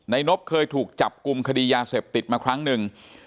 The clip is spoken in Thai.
นบเคยถูกจับกลุ่มคดียาเสพติดมาครั้งหนึ่ง